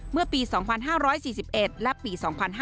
เมื่อปี๒๕๔๑และปี๒๕๕๙